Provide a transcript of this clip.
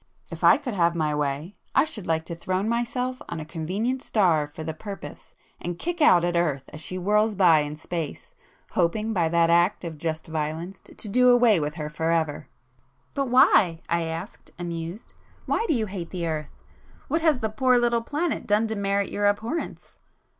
If I could have my way, I should like to throne myself on a convenient star for the purpose and kick out at Earth as she whirls by in space, hoping by that act of just violence to do away with her for ever!" "But why?" I asked, amused—"Why do you hate the Earth? What has the poor little planet done to merit your abhorrence?"